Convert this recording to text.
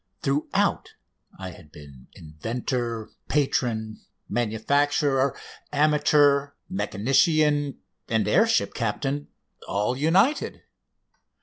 Throughout I had been inventor, patron, manufacturer, amateur, mechanician, and air ship captain all united!